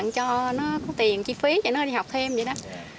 cho nó có tiền chi phí cho nó đi học thêm vậy đó